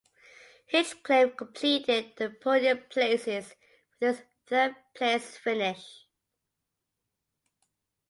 Hinchcliffe completed the podium places with his third place finish.